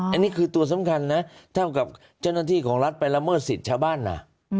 อันนี้คือตัวสำคัญนะเท่ากับเจ้าหน้าที่ของรัฐไปละเมิดสิทธิ์ชาวบ้านนะ